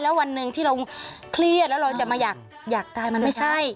แล้ววันหนึ่งที่เราเครียดแล้วเราจะมาอยากตายมันไม่ใช่